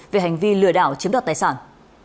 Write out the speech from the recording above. về hành vi lừa đảo chiếm đoạt tài sản